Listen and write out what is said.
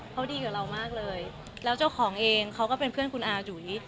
เขาดีกับเรามากเลยแล้วเจ้าของเองเขาก็เป็นเพื่อนคุณอาจุ๋ย